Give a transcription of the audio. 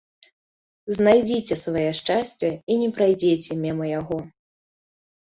Знайдзіце сваё шчасце і не прайдзіце міма яго.